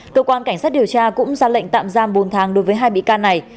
cơ quan cảnh sát điều tra cũng ra lệnh tạm giam bốn tháng đối với hai bị can này